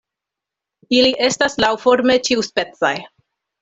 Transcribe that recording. Ili estas laŭforme ĉiuspecaj.